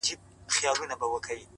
د پښتنو ماحول دی دلته تهمتوته ډېر دي،